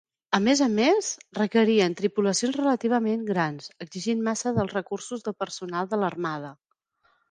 A més a més, requerien tripulacions relativament grans, exigint massa dels recursos de personal de l'Armada.